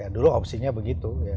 dulu opsinya begitu